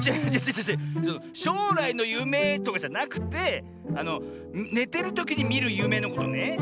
しょうらいのゆめとかじゃなくてあのねてるときにみるゆめのことね。